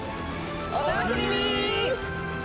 お楽しみに！